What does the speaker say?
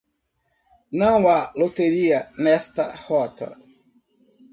Não há loteria nesta rota.